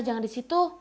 jangan di situ